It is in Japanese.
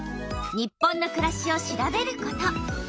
「日本のくらし」を調べること。